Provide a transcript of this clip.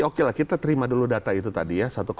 oke lah kita terima dulu data itu tadi ya